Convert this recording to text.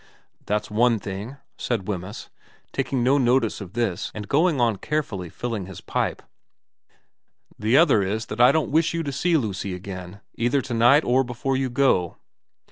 ' That's one thing,' said Wemyss, taking no notice of this and going on carefully filling his pipe. ' The other is, that I don't wish you to see Lucy again, either to night or before you go.'